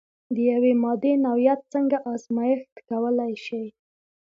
د یوې مادې نوعیت څنګه ازميښت کولی شئ؟